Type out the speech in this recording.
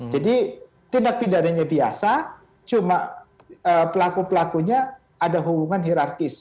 jadi tindak pindahannya biasa cuma pelaku pelakunya ada hubungan hirarkis